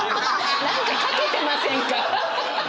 何か掛けてませんか！？